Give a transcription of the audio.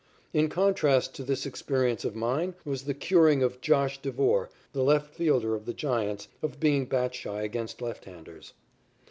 In contrast to this experience of mine was the curing of "Josh" Devore, the leftfielder of the Giants, of being bat shy against left handers.